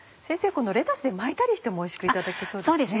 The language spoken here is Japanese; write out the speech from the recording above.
このレタスで巻いたりしてもおいしくいただけそうですね。